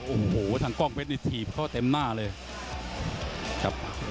โอ้โหทางกล้องเวนท์ได้เตียบเขาเต็มหน้าเลยครับ